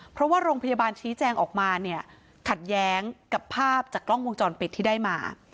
เพราะว่าโรงพยาบาลชี้แจงออกมาเนี่ยขัดแย้งกับภาพจากกล้องวงจรปิดที่ได้มา